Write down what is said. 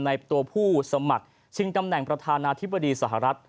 ในตัวผู้สมัครชิงตำแหน่งประธานาธิบดีสหรัฐ